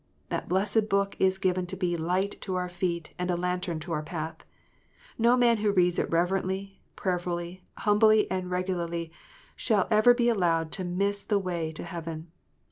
That blessed Book is given to be a light to our feet, and a lantern to our path. No man who reads it reverently, prayerfully, humbly, and regularly, shall ever be allowed to miss the way to heaven.